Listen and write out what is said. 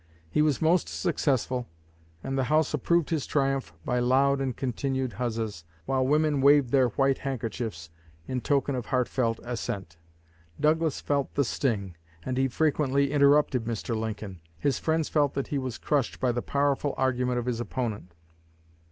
He was most successful, and the house approved his triumph by loud and continued huzzas, while women waved their white handkerchiefs in token of heartfelt assent. Douglas felt the sting, and he frequently interrupted Mr. Lincoln; his friends felt that he was crushed by the powerful argument of his opponent.